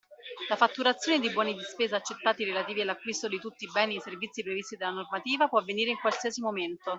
La fatturazione di buoni di spesa accettati relativi all’acquisto di tutti i beni e servizi previsti dalla normativa può avvenire in qualsiasi momento.